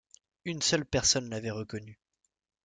Une seule personne l'avait reconnu.